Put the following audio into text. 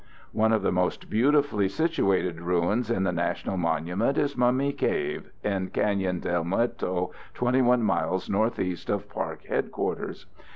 ] One of the most beautifully situated ruins in the national monument is Mummy Cave in Canyon del Muerto 21 miles northeast of park headquarters.